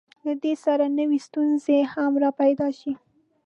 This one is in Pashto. له دې سره نوې ستونزې هم راپیدا شوې.